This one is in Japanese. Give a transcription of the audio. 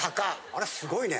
ありゃすごいね。